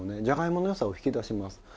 じゃがいもの良さを引き出します。